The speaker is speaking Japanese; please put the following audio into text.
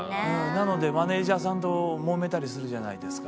なのでマネジャーさんともめたりするじゃないですか。